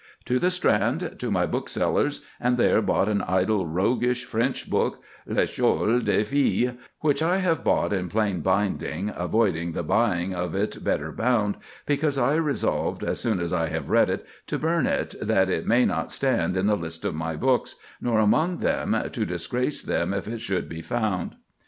—"To the Strand, to my bookseller's, and there bought an idle, roguish French book, 'L'Escholle des Filles,' which I have bought in plain binding, avoiding the buying of it better bound, because I resolved, as soon as I have read it, to burn it, that it may not stand in the list of my books, nor among them, to disgrace them if it should be found."